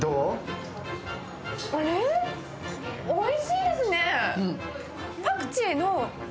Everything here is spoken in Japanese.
おいしいですね。